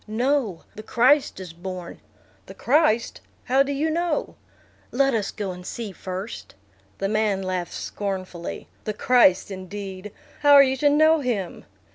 "No, the Christ is born." "The Christ! How do you know?" "Let us go and see first." The man laughed scornfully. "The Christ indeed! How are you to know him?"